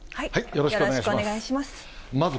よろしくお願いします。